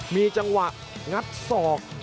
มีจังหวะงัดศอก